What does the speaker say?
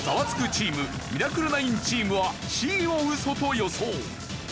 チームミラクル９チームはＣをウソと予想。